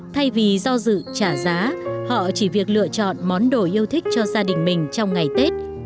thay vì do dự trả giá họ chỉ việc lựa chọn món đồ yêu thích cho gia đình mình trong ngày tết